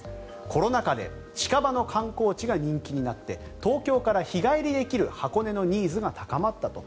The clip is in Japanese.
コロナ禍で近場の観光地が人気になって東京から日帰りできる箱根のニーズが高まったと。